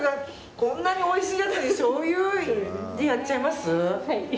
こんなにおいしいやつにしょうゆ入れてやっちゃいます？